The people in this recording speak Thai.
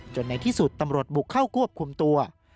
ในที่สุดตำรวจบุกเข้าควบคุมตัว